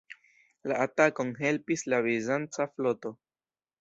La atakon helpis la bizanca floto.